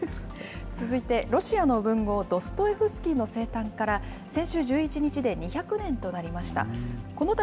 続いてロシアの文豪、ドストエフスキーの生誕から先週１１日で、２００年となりました。